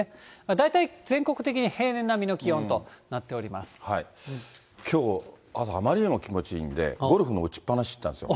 大体全国的に平年並みの気温となきょう、朝、あまりにも気持ちいいんで、ゴルフの打ちっぱなし行ったんですよ。